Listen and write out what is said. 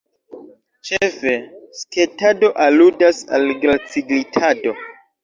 Ĉefe, sketado aludas al glaci-glitado.